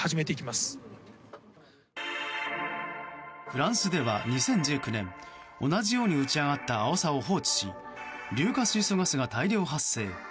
フランスでは、２０１９年同じように打ち上がったアオサを放置し硫化水素ガスが大量発生。